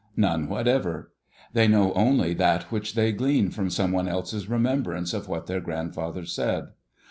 None whatever. They know only that which they glean from someone else's remembrance of what their grandfathers said.